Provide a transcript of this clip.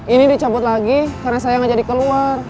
ini dicabut lagi karena saya nggak jadi keluar